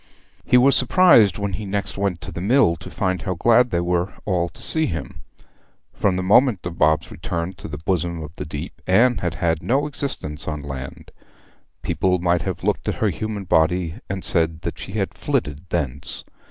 He was surprised when he next went to the mill to find how glad they all were to see him. From the moment of Bob's return to the bosom of the deep Anne had had no existence on land; people might have looked at her human body and said she had flitted thence.